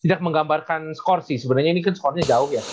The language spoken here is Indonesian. tidak menggambarkan skor sih sebenarnya ini kan skornya jauh ya